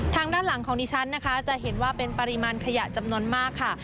ทางด้านหลังของดิฉันนะคะจะเห็นว่าเป็นปริมาณขยะจำนวนมากค่ะ